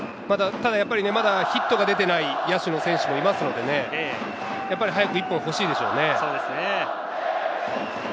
まだヒットが出ていない野手もいますので、早く１本欲しいでしょうね。